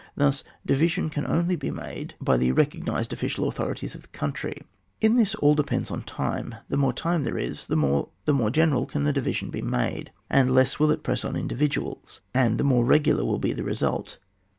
This divi sion can only be made by the recognised official authorities of the country. In this all depends on time. The more lime there is» Uie more general can the division be made, the less will it press on individuals, and the more regular will be the resxdt.